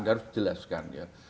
harus dijelaskan ya